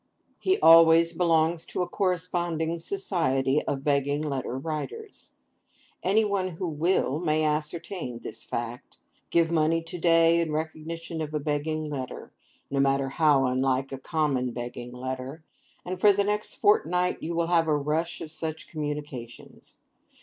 He always belongs to a Corresponding Society of Begging Letter Writers. Any one who will, may ascertain this fact. Give money to day in recognition of a begging letter,—no matter how unlike a common begging letter,—and for the next fortnight you will have a rush of such communications.